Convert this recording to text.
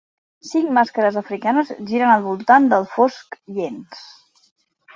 Cinc màscares africanes giren al voltant del fosc llenç.